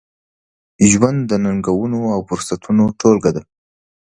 ژوند د ننګونو، او فرصتونو ټولګه ده.